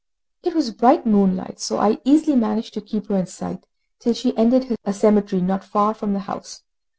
It was bright moonlight, so I easily managed to keep her in sight, till she entered a cemetery not far from the house.